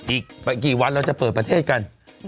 อีกกี่วันเราจะเปิดประเทศกัน